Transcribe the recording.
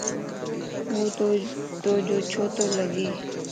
ووتو جو ڇو تو لڳ؟